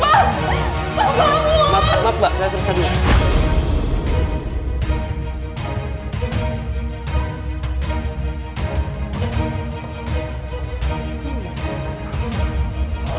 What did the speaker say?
maaf maaf mbak saya terseduh